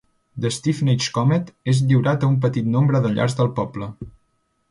"The Stevenage Comet" és lliurat a un petit nombre de llars del poble.